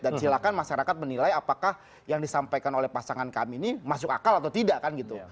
dan silakan masyarakat menilai apakah yang disampaikan oleh pasangan kami ini masuk akal atau tidak kan gitu